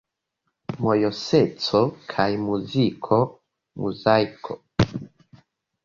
Mojoseco kaj muziko: Muzaiko!